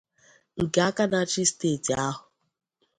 nke aka na-achị steeti ahụ